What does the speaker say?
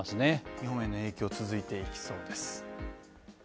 日本への影響は続いていきそうです。